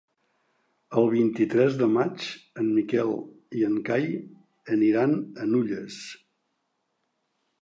El vint-i-tres de maig en Miquel i en Cai aniran a Nulles.